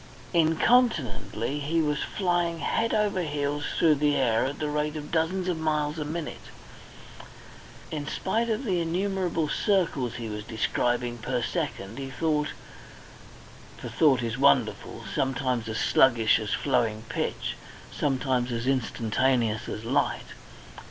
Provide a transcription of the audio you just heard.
Incontinently he was flying head over heels through the air at the rate of dozens of miles a minute. In spite of the innumerable circles he was describing per second, he thought; for thought is wonderful sometimes as sluggish as flowing pitch, sometimes as instantaneous as light.